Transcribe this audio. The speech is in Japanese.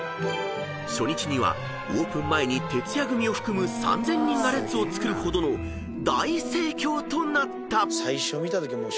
［初日にはオープン前に徹夜組を含む３，０００人が列をつくるほどの大盛況となった］